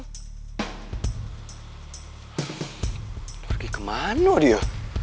dia pergi kemana dia